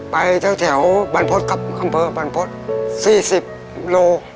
ไปจากแถวบรรพศกำเภอบรรพศ๔๐กิโลเมตร